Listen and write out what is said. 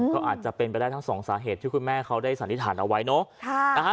ก็อาจจะเป็นไปได้ทั้งสองสาเหตุที่คุณแม่เขาได้สันนิษฐานเอาไว้เนอะ